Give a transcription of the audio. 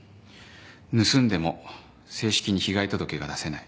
盗んでも正式に被害届が出せない。